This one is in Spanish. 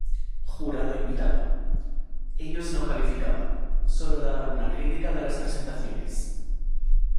Jurado Invitado: Ellos no calificaban, solo daban una crítica de las presentaciones.